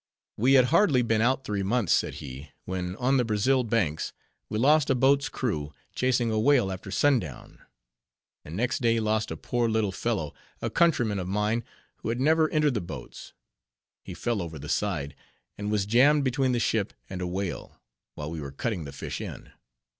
"We had hardly been out three months," said he, "when on the Brazil banks we lost a boat's crew, chasing a whale after sundown; and next day lost a poor little fellow, a countryman of mine, who had never entered the boats; he fell over the side, and was jammed between the ship, and a whale, while we were cutting the fish in.